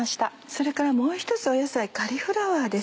それからもう１つ野菜カリフラワーです。